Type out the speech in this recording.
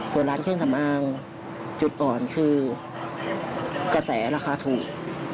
ส่วนร้านเครื่องสำอางจุดอ่อนคือกระแสราคาถูก